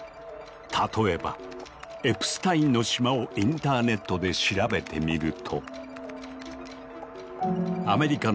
例えば「エプスタインの島」をインターネットで調べてみると。